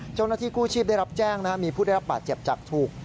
เจ้าหน้าที่กู้ชีพได้รับแจ้งมีผู้ได้รับบาดเจ็บจากถูก